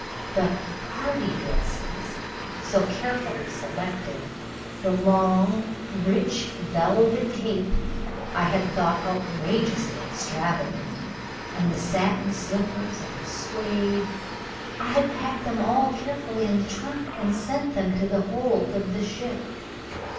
The "party dresses", so carefully selected, the long, rich velvet cape I had thought outrageously extravagant, and the satin slippers and the suede I had packed them all carefully in the trunk and sent them to the hold of the ship.